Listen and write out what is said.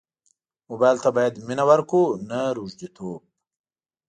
موبایل ته باید مینه ورکړو نه روږديتوب.